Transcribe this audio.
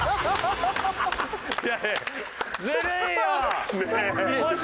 いやいやずるいよ！